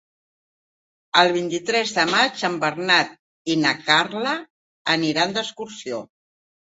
El vint-i-tres de maig en Bernat i na Carla aniran d'excursió.